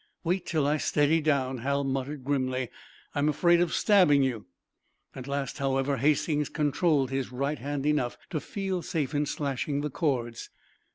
"Wait till I steady down," Hal muttered, grimly. "I'm afraid of stabbing you." At last, however, Hastings controlled his right hand enough to feel safe in slashing the cords.